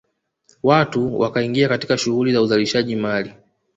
Watu wakaingia katika shughuli za uzalishaji mali